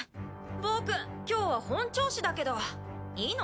僕今日は本調子だけどいいの？